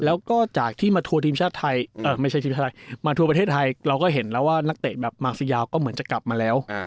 แล้วก็จากที่มาทัวร์ประเทศไทยเราก็เห็นแล้วว่านักเตะแบบมาสเยาก็เหมือนจะกลับมาแล้ว